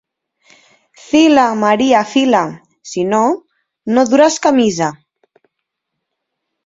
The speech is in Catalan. Fila, Maria, fila, si no, no duràs camisa.